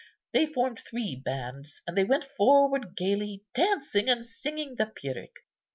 They formed three bands, and they went forward gaily, dancing and singing the Pyrrhic.